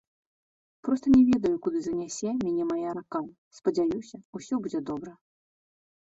Проста не ведаю куды занясе мяне мая рака, спадзяюся, усё будзе добра.